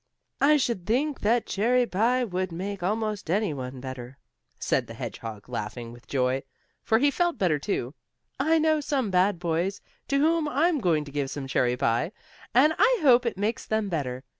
"I should think that cherry pie would make almost any one better," said the hedgehog, laughing with joy, for he felt better, too. "I know some bad boys to whom I'm going to give some cherry pie, and I hope it makes them better.